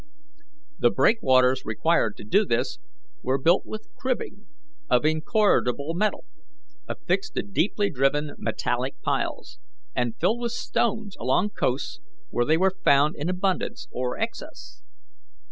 The breakwaters required to do this were built with cribbing of incorrodible metal, affixed to deeply driven metallic piles, and filled with stones along coasts where they were found in abundance or excess.